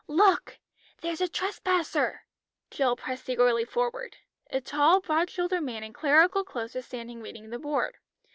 "Look! there's a trespasser." Jill pressed eagerly forward. A tall broad shouldered man in clerical clothes was standing reading the board.